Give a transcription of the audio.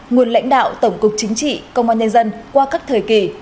nguồn lãnh đạo tổng cục chính trị công an nhân dân qua các thời kỳ